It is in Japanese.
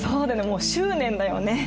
もう執念だよね。